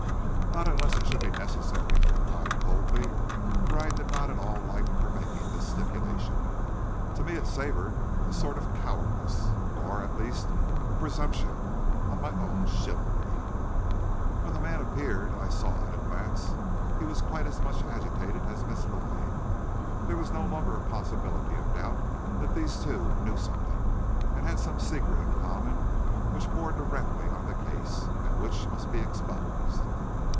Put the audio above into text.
"Not unless it should be necessary," I replied coldly, for I did not at all like her making this stipulation. To me it savored of a sort of cowardice, or at least a presumption on my own chivalry. When the man appeared, I saw at a glance he was quite as much agitated as Miss Lloyd. There was no longer a possibility of a doubt that these two knew something, had some secret in common, which bore directly on the case, and which must be exposed.